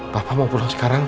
papa mau pulang sekarang